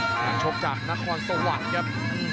การชบจากนครสวัสดิ์ครับ